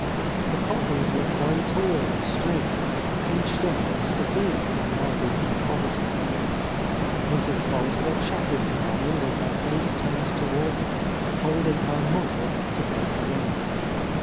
The pop lars looked very tall and straight, pinched up and severe in their winter poverty. Mrs. Forrester chatted to Niel with her face turned toward him, holding her muff up to break the wind.